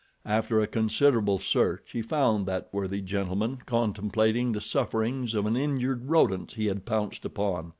After a considerable search, he found that worthy gentleman contemplating the sufferings of an injured rodent he had pounced upon.